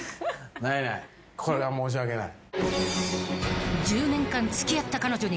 これは申し訳ない。